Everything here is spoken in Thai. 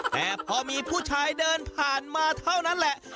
แต่พอมีผู้ชายเดินผ่านมาเท่านั้นแหละ